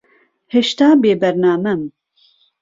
ھێشتا بێبەرنامەم.